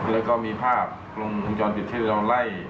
แล้วก็มีภาพกลงวงจรปิดที่เราไล่